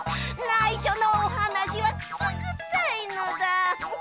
ないしょのおはなしはくすぐったいのだ。